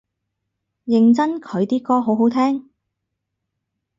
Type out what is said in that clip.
認真佢啲歌好好聽？